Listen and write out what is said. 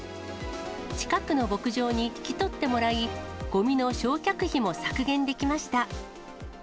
近くの牧場に引き取ってもらい、ごみの焼却費も削減できました。